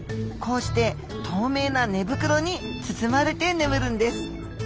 こうして透明な「寝袋」に包まれて眠るんです。